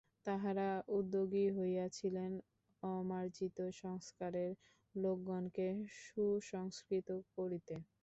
তাঁহারা উদ্যোগী হইয়াছিলেন অমার্জিত সংস্কারের লোকগণকে সুসংস্কৃত করিতে।